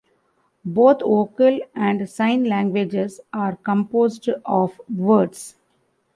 Both vocal and sign languages are composed of words.